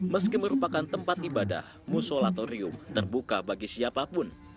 meski merupakan tempat ibadah musolatorium terbuka bagi siapapun